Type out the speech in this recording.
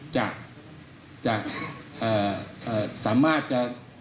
จะสามารถจะ